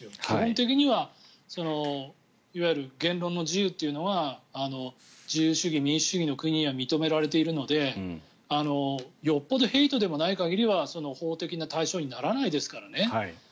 基本的にはいわゆる言論の自由というのは自由主義、民主主義の国は認められているのでよっぽどヘイトでもない限りは法的な対象にならないですからね。